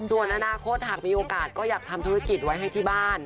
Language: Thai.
ส่วนอนาคตหากมีโอกาสก็อยากทำธุรกิจไว้ให้ที่บ้าน